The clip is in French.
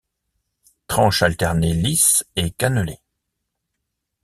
Tranche alternée Lisse et Cannelée.